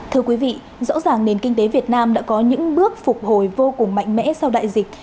thưa quý vị rõ ràng nền kinh tế việt nam đã có những bước phục hồi vô cùng mạnh mẽ sau đại dịch